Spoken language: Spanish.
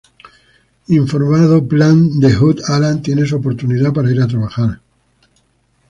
Informando plan de The Hood, Alan tiene su oportunidad para ir a trabajar.